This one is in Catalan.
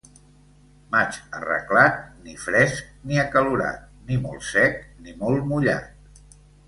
Maig arreglat, ni fresc ni acalorat, ni molt sec ni molt mullat.